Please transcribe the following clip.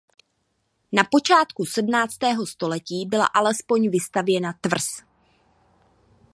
Na počátku sedmnáctého století byla aspoň vystavěna tvrz.